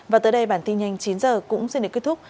và tới đây bản tin nhanh chín h cũng xin được kết thúc